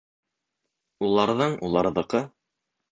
Уларҙың, уларҙыҡы